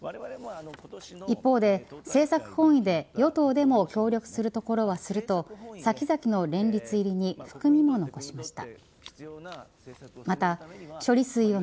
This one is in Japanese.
一方で政策本位で与党でも協力するところはすると先々の連立入りに含みも残しました。